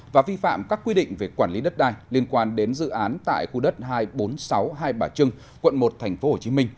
và vi phạm các quy định về quản lý đất đai liên quan đến dự án tại khu đất hai trăm bốn mươi sáu hai bà trưng quận một tp hcm